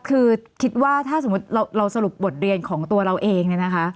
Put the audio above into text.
พี่โบ๊ะค่ะคิดว่าถ้าสมมติเราสรุปบทเรียนของตัวเราเอง